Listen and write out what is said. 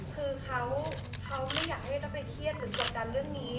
คือเขาไม่อยากให้ต้องไปเครียดหรือกดดันเรื่องนี้